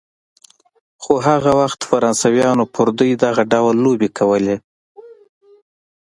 خو هغه وخت فرانسویانو پر دوی دغه ډول لوبې کولې.